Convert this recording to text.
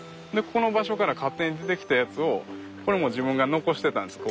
この場所から勝手に出てきたやつをこれも自分が残してたんです。